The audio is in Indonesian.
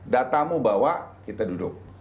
datamu bawa kita duduk